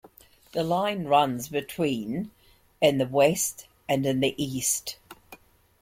The line runs between in the west and in the east.